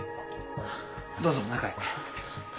どうぞ中へ。